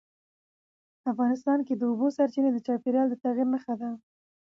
افغانستان کې د اوبو سرچینې د چاپېریال د تغیر نښه ده.